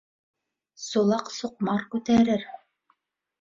Сулаҡ суҡмар күтәрер.